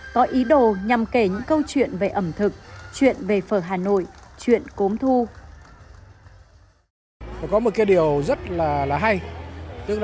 có ý đồ nhằm kể những câu chuyện về ẩm thực chuyện về phở hà nội chuyện cốm thu